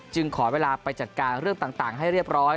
ขอเวลาไปจัดการเรื่องต่างให้เรียบร้อย